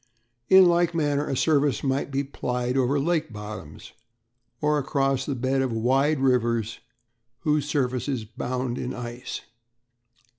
In like manner a service might be plied over lake bottoms, or across the bed of wide rivers whose surface is bound in ice.